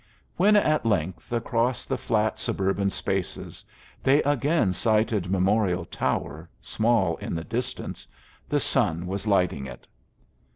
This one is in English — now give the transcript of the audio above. When at length, across the flat suburban spaces, they again sighted Memorial tower, small in the distance, the sun was lighting it.